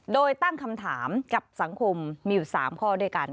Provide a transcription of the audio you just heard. โดยตั้งคำถามกับสังคมมีอยู่๓ข้อด้วยกัน